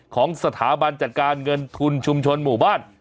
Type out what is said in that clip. ของสถาบันจัดการเงินทุนชุมชนหมู่บ้าน